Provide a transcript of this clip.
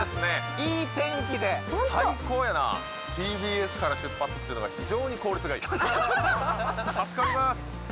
いい天気でホント最高やなＴＢＳから出発っていうのが非常に効率がいいハハハ助かります